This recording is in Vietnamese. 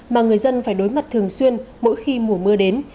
mà người dân phải đối mặt thường xuyên mỗi khi mùa mưa đến